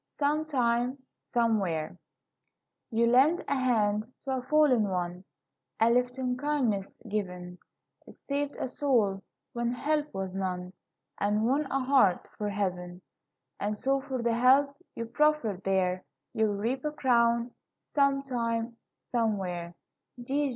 SOMETIME, SOMEWHERE You lent a hand to a fallen one, A lift in kindness given; It saved a soul when help was none, And won a heart for heaven. And so for the help you proffered there, You'll reap a crown, sometime, somewhere.